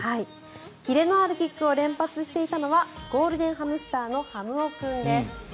キレのあるキックを連発していたのはゴールデンハムスターのはむお君です。